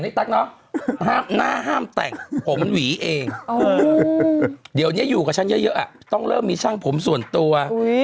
เมื่อก่อนหน้าห้ามแต่งเดี๋ยวนี้อยู่ช่างเยอะต้องเริ่มมีช่างผมส่วนตัวอุ๊ย